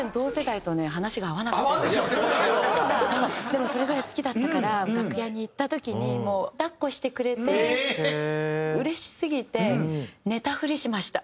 でもそれぐらい好きだったから楽屋に行った時にもう抱っこしてくれてうれしすぎて寝たふりしました。